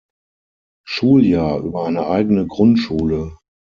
Schuljahr, über eine eigene Grundschule.